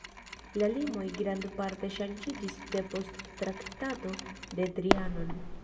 La limoj grandparte ŝanĝiĝis depost Traktato de Trianon.